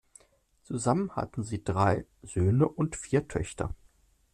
Zusammen hatten sie drei Söhne und vier Töchter.